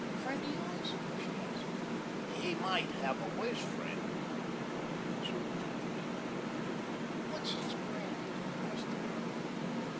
"Friend of yours?" she asked. "He might have a worse friend," replied the Lizard non committally. "What's his graft?" asked the girl.